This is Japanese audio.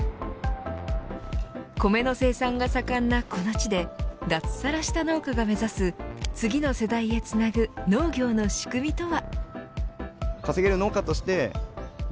米の生産が盛んなこの地で脱サラした農家が目指す次の世代へつなぐ農業の仕組みとは。